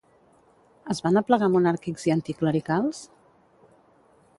Es van aplegar monàrquics i anticlericals?